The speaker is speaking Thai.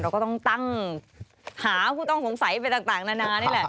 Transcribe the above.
ก็ต้องตั้งหาผู้ต้องสงสัยไปต่างนานานี่แหละ